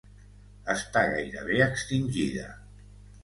Està gairebé extingida.